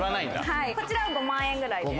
こちらは５万円くらいで。